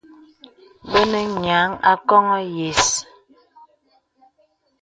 Bə nə nyéaŋ akɔŋɔ yə̀s.